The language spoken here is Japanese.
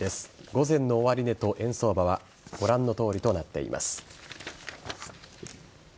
午前の終値と円相場はご覧のとおりとなっています。